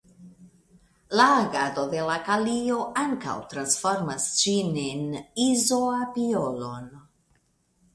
La agado de la kalio ankaŭ transformas ĝin en izoapiolon.